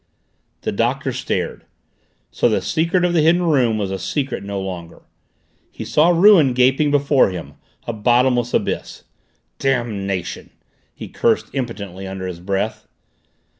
The Doctor stared. So the secret of the Hidden Room was a secret no longer. He saw ruin gaping before him a bottomless abyss. "Damnation!" he cursed impotently under his breath.